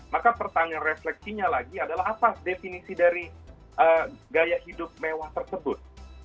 maka pertanyaan refleksinya lagi adalah apa definisi dari gaya hidup mewah tersebut